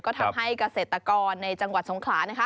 ก็ทำให้เกษตรกรในจังหวัดสงขลานะคะ